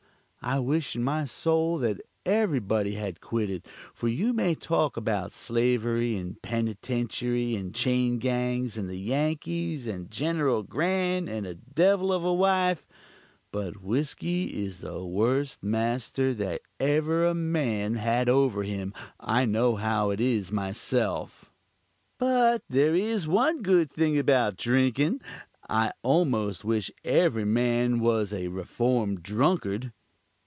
I wish in my soul that everybody had quit it, for you may talk about slavery, and penitentiary, and chain gangs, and the Yankees, and General Grant, and a devil of a wife, but whiskey is the worst master that ever a man had over him. I know how it is myself. But there is one good thing about drinkin'. I almost wish every man was a reformed drunkard.